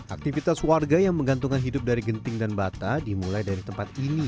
aktivitas warga yang menggantungkan hidup dari genting dan bata dimulai dari tempat ini